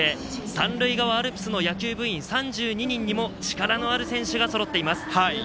三塁側アルプスの野球部員３２人にも力のある選手がそろっています。